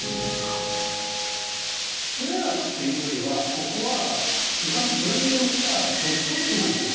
集落というよりはここは昔分譲した別荘地なのね。